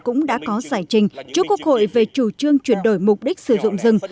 cũng đã có giải trình trước quốc hội về chủ trương chuyển đổi mục đích sử dụng rừng